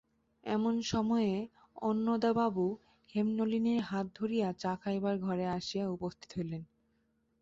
এমন সময়ে অন্নদাবাবু হেমনলিনীর হাত ধরিয়া চা খাইবার ঘরে আসিয়া উপস্থিত হইলেন।